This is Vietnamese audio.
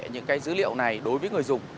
những cái dữ liệu này đối với người dùng